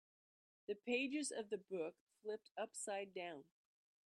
The pages of the book flipped upside down.